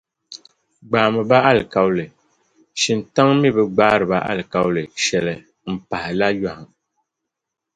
Gbaami ba alikauli, shintaŋ mi bi gbaari ba alikauli shɛli m-pahila yɔhim.